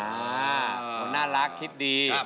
คนน่ารักคิดดี